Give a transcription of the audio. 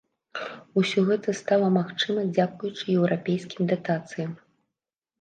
Усё гэта стала магчыма, дзякуючы еўрапейскім датацыям.